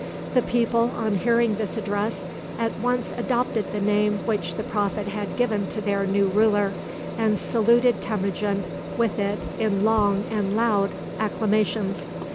] The people, on hearing this address, at once adopted the name which the prophet had given to their new ruler, and saluted Temujin with it in long and loud acclamations.